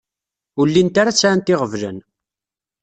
Ur llint ara sɛant iɣeblan.